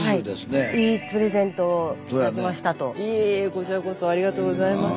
いえいえこちらこそありがとうございます。